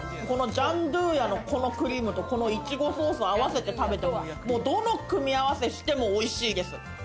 このジャンドゥーヤの、このクリームと、このいちごソースを合わせて食べても、どの組み合わせをしてもおいしいです。